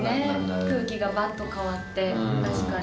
空気がバッと変わって確かに。